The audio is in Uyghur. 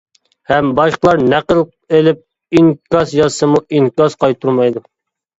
ھەم باشقىلار نەقىل ئېلىپ ئىنكاس يازسىمۇ ئىنكاس قايتۇرمايدۇ.